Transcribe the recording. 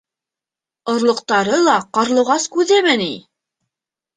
Орлоҡтары ла ҡарлуғас күҙеме ни!..